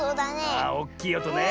ああおっきいおとね。